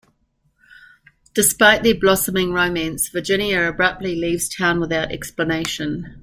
Despite their blossoming romance, Virginia abruptly leaves town without explanation.